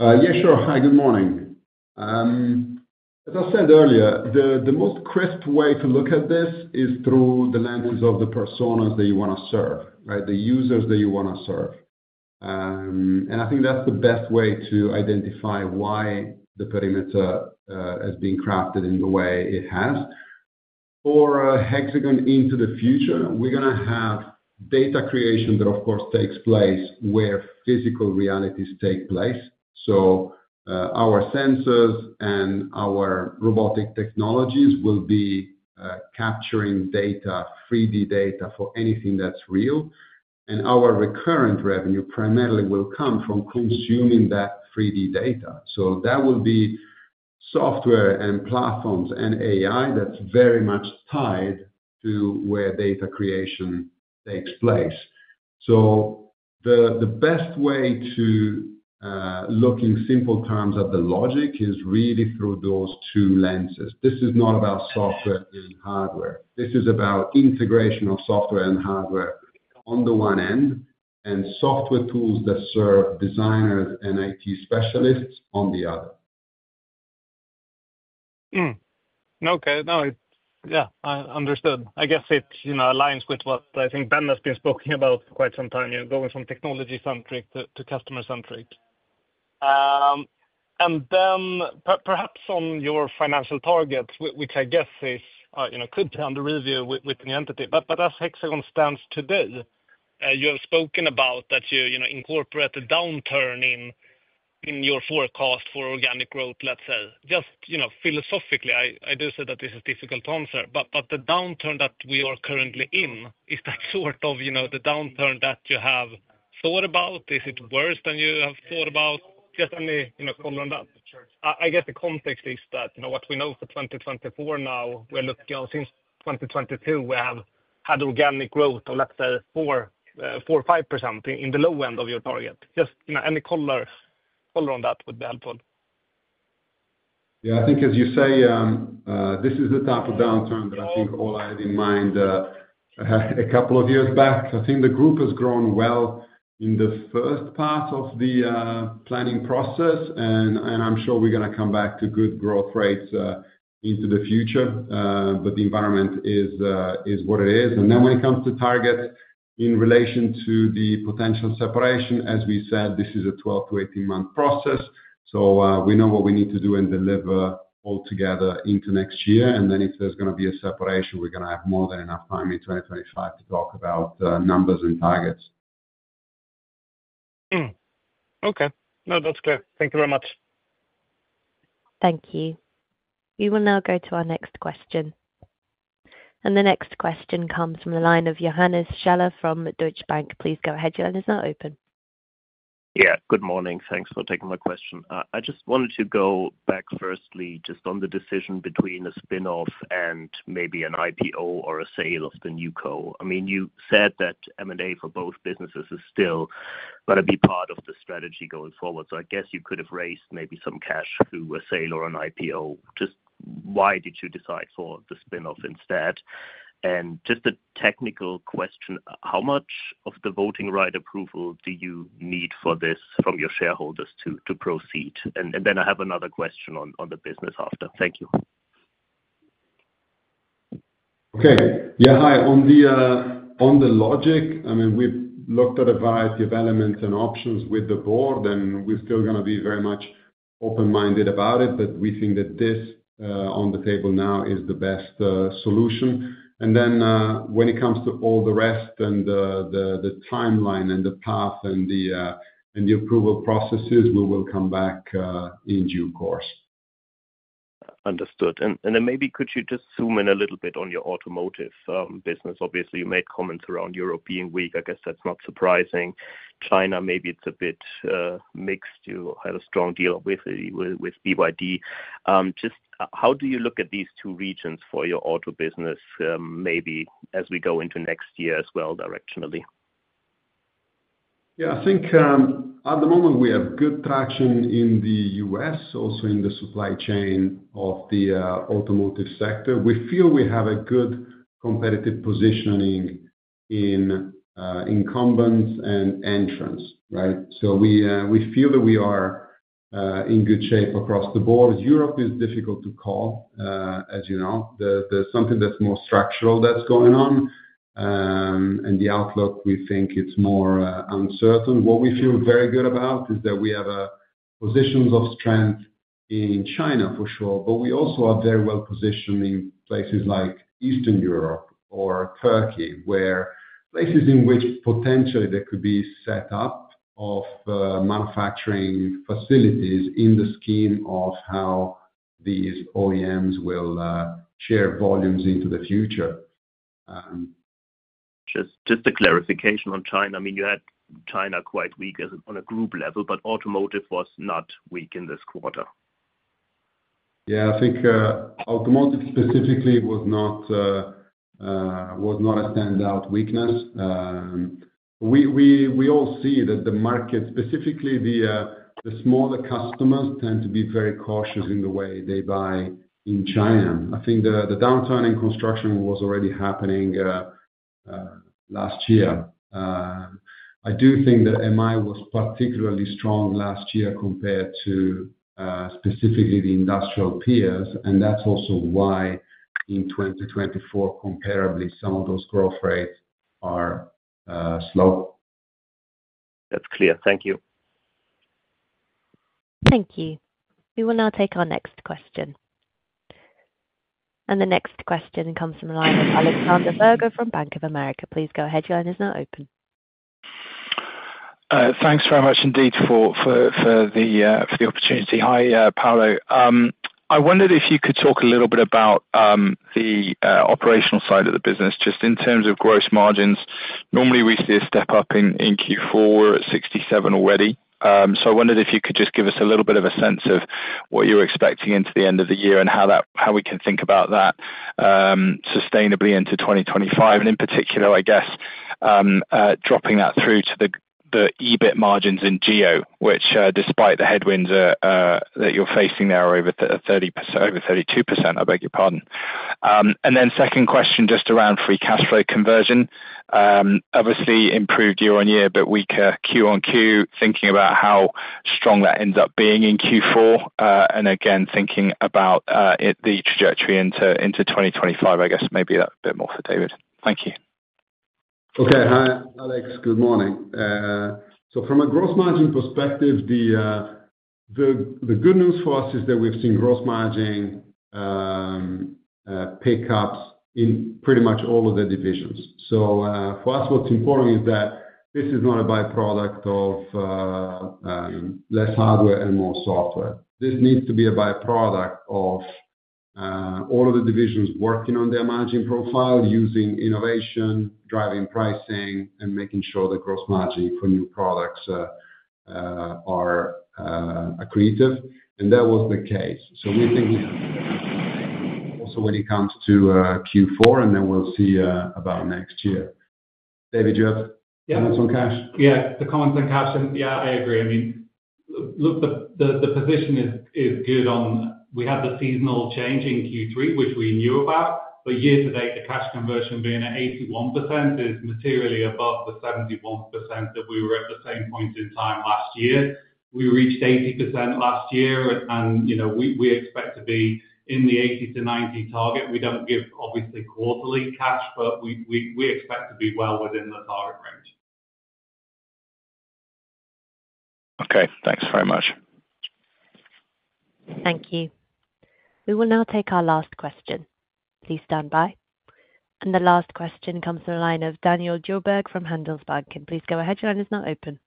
Yeah, sure. Hi, good morning. As I said earlier, the most crisp way to look at this is through the lenses of the personas that you wanna serve, right? The users that you wanna serve. And I think that's the best way to identify why the perimeter is being crafted in the way it has. For Hexagon into the future, we're gonna have data creation that, of course, takes place where physical realities take place. So, our sensors and our robotic technologies will be capturing data, 3D data, for anything that's real, and our recurrent revenue primarily will come from consuming that 3D data. So that will be software and platforms and AI that's very much tied to where data creation takes place. So the best way to look in simple terms at the logic is really through those two lenses. This is not about software and hardware. This is about integration of software and hardware on the one end, and software tools that serve designers and IT specialists on the other. Okay, no, it's... Yeah, I understood. I guess it, you know, aligns with what I think Ben has been speaking about for quite some time, you know, going from technology centric to customer centric. And then perhaps on your financial targets, which I guess is, you know, could be under review with the entity. But as Hexagon stands today, you have spoken about that you know incorporate the downturn in your forecast for organic growth, let's say. Just, you know, philosophically, I do say that this is a difficult answer, but the downturn that we are currently in, is that sort of you know, the downturn that you have thought about? Is it worse than you have thought about? Just any, you know, color on that. I guess the context is that, you know, what we know for 2024 now. We're looking at since 2022, we have had organic growth of, let's say, 4% or 5% in the low end of your target. Just, you know, any color on that would be helpful. Yeah, I think as you say, this is the type of downturn that I think all I had in mind, a couple of years back. I think the group has grown well in the first part of the planning process, and I'm sure we're gonna come back to good growth rates into the future. But the environment is what it is. And then when it comes to targets in relation to the potential separation, as we said, this is a 12- to 18-month process. So, we know what we need to do and deliver all together into next year. And then if there's gonna be a separation, we're gonna have more than enough time in 2025 to talk about numbers and targets. Okay. No, that's clear. Thank you very much. Thank you. We will now go to our next question. And the next question comes from the line of Johannes Schaller from Deutsche Bank. Please go ahead, your line is now open. Yeah, good morning. Thanks for taking my question. I just wanted to go back firstly, just on the decision between a spinoff and maybe an IPO or a sale of the NewCo. I mean, you said that M&A for both businesses is still gonna be part of the strategy going forward, so I guess you could have raised maybe some cash through a sale or an IPO. Just why did you decide for the spinoff instead? And just a technical question, how much of the voting right approval do you need for this from your shareholders to proceed? And then I have another question on the business after. Thank you. Okay. Yeah, hi. On the logic, I mean, we've looked at a variety of elements and options with the board, and we're still gonna be very much open-minded about it, but we think that this on the table now is the best solution. And then, when it comes to all the rest and the timeline and the path and the approval processes, we will come back in due course. Understood, and then maybe could you just zoom in a little bit on your automotive business? Obviously, you made comments around Europe being weak. I guess that's not surprising. China, maybe it's a bit mixed. You had a strong deal with BYD. Just how do you look at these two regions for your auto business, maybe as we go into next year as well, directionally? Yeah, I think, at the moment, we have good traction in the U.S., also in the supply chain of the automotive sector. We feel we have a good competitive positioning in incumbents and entrants, right? So we feel that we are in good shape across the board. Europe is difficult to call. As you know, there's something that's more structural that's going on, and the outlook, we think it's more uncertain. What we feel very good about is that we have positions of strength in China for sure, but we also are very well positioned in places like Eastern Europe or Turkey, where places in which potentially there could be set up of manufacturing facilities in the scheme of how these OEMs will share volumes into the future. Just, a clarification on China. I mean, you had China quite weak as on a group level, but automotive was not weak in this quarter. Yeah, I think automotive specifically was not a standout weakness. We all see that the market, specifically the smaller customers, tend to be very cautious in the way they buy in China. I think the downturn in construction was already happening last year. I do think that MI was particularly strong last year compared to specifically the industrial peers, and that's also why in 2024 comparably, some of those growth rates are slow. That's clear. Thank you. Thank you. We will now take our next question. And the next question comes from the line of Alexander Virgo from Bank of America. Please go ahead. Your line is now open. Thanks very much indeed for the opportunity. Hi, Paolo. I wondered if you could talk a little bit about the operational side of the business, just in terms of gross margins. Normally, we see a step up in Q4 at sixty-seven already. So I wondered if you could just give us a little bit of a sense of what you're expecting into the end of the year, and how that, how we can think about that sustainably into 2025. And in particular, I guess, dropping that through to the EBIT margins in Geo, which, despite the headwinds are that you're facing there, are over 30%, over 32%, I beg your pardon. And then second question, just around free cash flow conversion. Obviously improved year-on-year, but weaker Q on Q, thinking about how strong that ends up being in Q4, and again, thinking about it, the trajectory into 2025. I guess maybe that's a bit more for David. Thank you. Okay. Hi, Alex. Good morning, so from a gross margin perspective, the good news for us is that we've seen gross margin pick up in pretty much all of the divisions, so for us, what's important is that this is not a by-product of less hardware and more software. This needs to be a by-product of all of the divisions working on their margin profile, using innovation, driving pricing, and making sure the gross margin for new products are accretive, and that was the case, so we think also when it comes to Q4, and then we'll see about next year. David, do you have comments on cash? Yeah, the comments on cash, and yeah, I agree. I mean, look, the position is good on cash. We had the seasonal change in Q3, which we knew about, but year to date, the cash conversion being at 81% is materially above the 71% that we were at the same point in time last year. We reached 80% last year, and you know, we expect to be in the 80%-90% target. We don't give, obviously, quarterly cash, but we expect to be well within the target range. Okay, thanks very much. Thank you. We will now take our last question. Please stand by, and the last question comes from the line of Daniel Djurberg from Handelsbanken. Please go ahead. Your line is now open.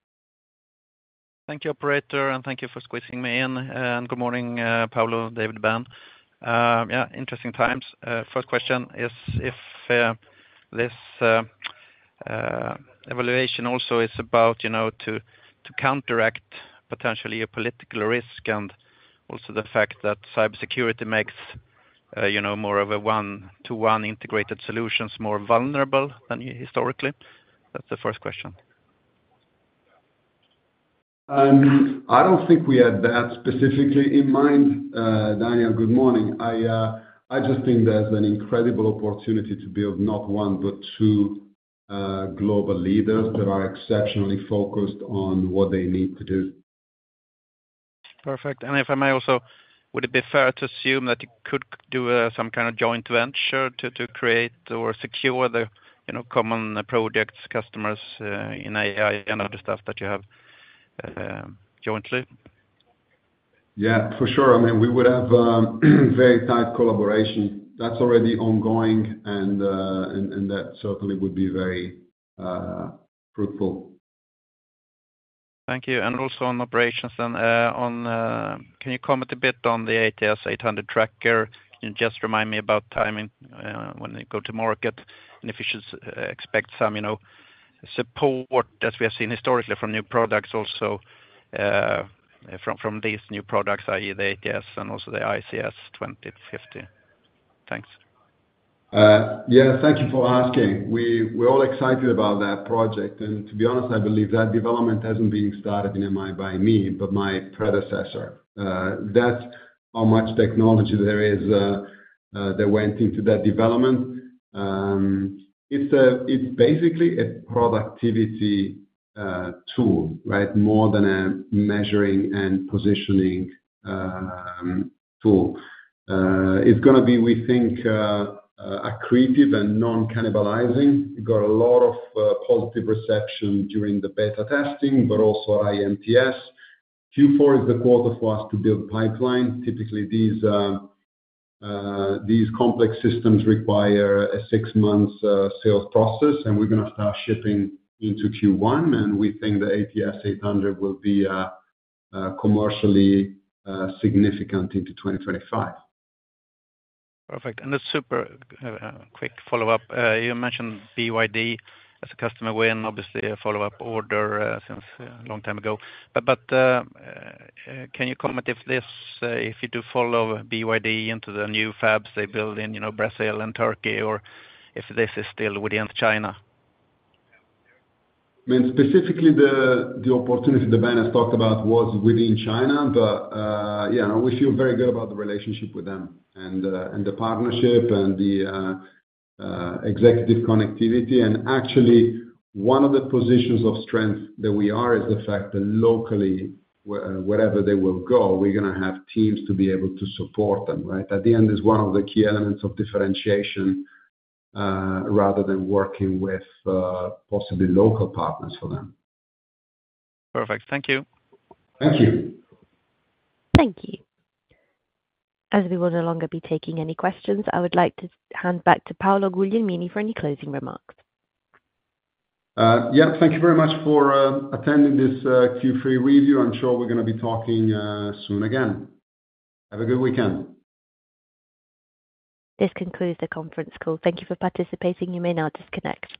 Thank you, operator, and thank you for squeezing me in. And good morning, Paolo, David, Ben. Yeah, interesting times. First question is if this evaluation also is about, you know, to, to counteract potentially a political risk and also the fact that cybersecurity makes, you know, more of a one-to-one integrated solutions more vulnerable than historically? That's the first question. I don't think we had that specifically in mind. Daniel, good morning. I just think there's an incredible opportunity to build not one, but two, global leaders that are exceptionally focused on what they need to do. Perfect. And if I may also, would it be fair to assume that you could do some kind of joint venture to create or secure the, you know, common projects, customers, in AI and other stuff that you have jointly? Yeah, for sure. I mean, we would have very tight collaboration. That's already ongoing, and that certainly would be very fruitful. Thank you. And also on operations and on, can you comment a bit on the ATS800 tracker? Can you just remind me about timing, when you go to market, and if we should expect some, you know, support that we have seen historically from new products also, from these new products, i.e., the ATS and also the iCON iCS50. Thanks. Yeah, thank you for asking. We're all excited about that project, and to be honest, I believe that development hasn't been started in MI by me, but my predecessor. That's how much technology there is that went into that development. It's basically a productivity tool, right? More than a measuring and positioning tool. It's gonna be, we think, accretive and non-cannibalizing. We got a lot of positive perception during the beta testing, but also IMTS. Q4 is the quarter for us to build pipeline. Typically, these complex systems require a six months sales process, and we're gonna start shipping into Q1, and we think the ATS800 will be commercially significant into 2025. Perfect, and a super quick follow-up. You mentioned BYD as a customer win, obviously a follow-up order since a long time ago. But can you comment if you do follow BYD into the new fabs they build in, you know, Brazil and Turkey, or if this is still within China? I mean, specifically the opportunity that Ben has talked about was within China, but yeah, we feel very good about the relationship with them and the partnership and the executive connectivity. And actually, one of the positions of strength that we are is the fact that locally, wherever they will go, we're gonna have teams to be able to support them, right? At the end, it's one of the key elements of differentiation rather than working with possibly local partners for them. Perfect. Thank you. Thank you. Thank you. As we will no longer be taking any questions, I would like to hand back to Paolo Guglielmini for any closing remarks. Yeah, thank you very much for attending this Q3 review. I'm sure we're gonna be talking soon again. Have a good weekend. This concludes the conference call. Thank you for participating. You may now disconnect.